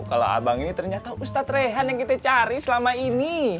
kalau abang ini ternyata ustadz rehan yang kita cari selama ini